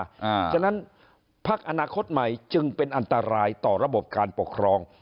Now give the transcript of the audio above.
เพราะฉะนั้นพักอนาคตใหม่จึงเป็นอันตรายต่อระบบการปกครอง